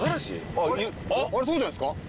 いるあれそうじゃないですか？